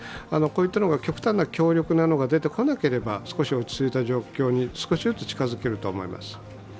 こういったものが極端に強力なものが出てこなければ少しずつ近づけると思います。